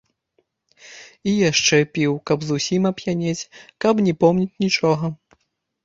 І яшчэ піў, каб зусім ап'янець, каб не помніць нічога.